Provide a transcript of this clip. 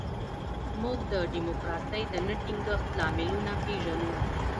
موږ د ډیموکراسۍ د نه ټینګښت لاملونه پېژنو.